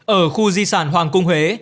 ở khu di sản hoàng cung huế